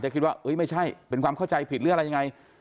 คิดว่าไม่ใช่เป็นความเข้าใจผิดหรืออะไรยังไง